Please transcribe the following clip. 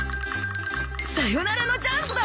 サヨナラのチャンスだ！